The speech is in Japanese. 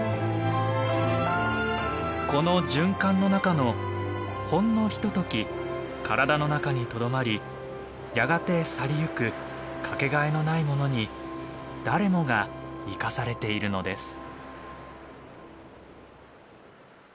この循環の中のほんのひととき体の中にとどまりやがて去りゆく掛けがえのないものに誰もが生かされているのです。